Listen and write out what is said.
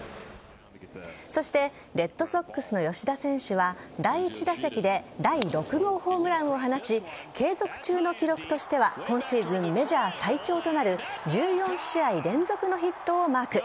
そしてレッドソックスの吉田選手は第１打席で第６号ホームランを放ち継続中の記録としては今シーズンメジャー最長となる１４試合連続のヒットをマーク。